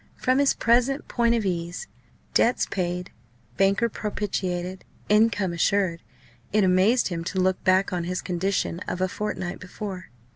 From his present point of ease debts paid, banker propitiated, income assured it amazed him to look back on his condition of a fortnight before.